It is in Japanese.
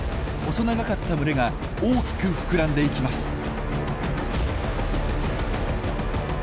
細長かった群れが大きく膨らんでいきます。